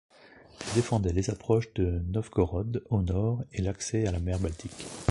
Elle défendait les approches de Novgorod au nord et l'accès à la mer Baltique.